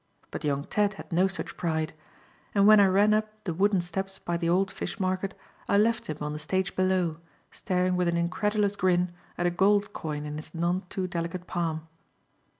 But young Ted had no such pride; and when I ran up the wooden steps by the old fish market, I left him on the stage below, staring with an incredulous grin at a gold coin in his none too delicate palm.